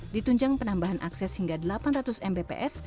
ditunjang penambahan akses hingga delapan ratus mbps